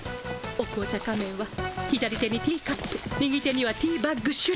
お紅茶仮面は左手にティーカップ右手にはティーバッグ手裏剣。